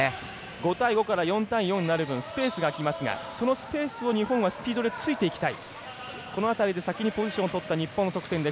５対５から４対４になる分スペースが空きますがそのスペースを日本はスピードでついていきたい。